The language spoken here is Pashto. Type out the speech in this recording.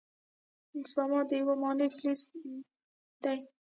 سیماب یو مایع فلز دی.